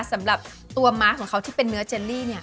สำหรับตัวม้าของเขาที่เป็นเนื้อเจลลี่เนี่ย